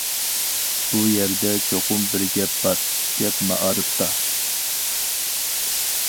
بۇ يەردە چوقۇم بىر گەپ بار-گەپ مائارىپتا.